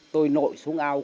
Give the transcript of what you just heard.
tôi nội xuống ào